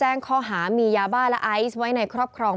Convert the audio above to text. จากนั้นก็จะนำมาพักไว้ที่ห้องพลาสติกไปวางเอาไว้ตามจุดนัดต่าง